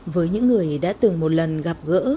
với những người đã từng một lần gặp gỡ